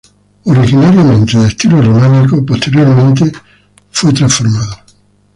De estilo románico originariamente, posteriormente fue transformado.